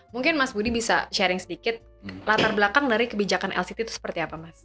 mungkin mas budi bisa sharing sedikit latar belakang dari kebijakan lct itu seperti apa mas